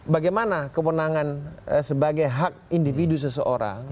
bagaimana kewenangan sebagai hak individu seseorang